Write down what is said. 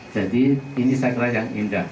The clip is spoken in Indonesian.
jadi ini saya kira yang indah